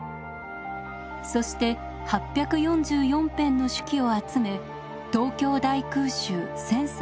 そして８４４編の手記を集め「東京大空襲・戦災誌」を出版。